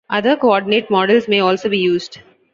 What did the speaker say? Other coordinate models may also be used.